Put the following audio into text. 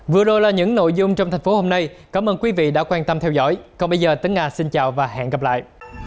vừa rồi là những nội dung trong thành phố hôm nay cảm ơn quý vị đã quan tâm theo dõi còn bây giờ tính nga xin chào và hẹn gặp lại